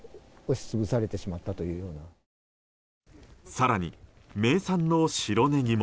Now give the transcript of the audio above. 更に、名産の白ネギも。